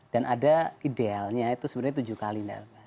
dan ada idealnya itu sebenarnya tujuh kali